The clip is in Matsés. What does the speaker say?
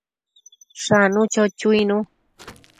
Shanu, cho chuinu